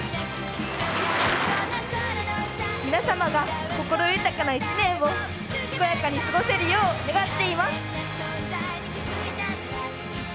皆様が心豊かな１年を健やかに過ごせるよう願っています。